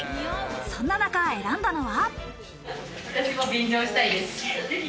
そんな中、選んだのは。